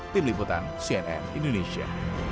tim liputan cnn indonesia